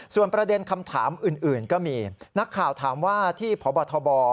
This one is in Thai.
ส่วนประเด็นคำถามอื่นก็มีนักข่าวถามว่าที่พบทบ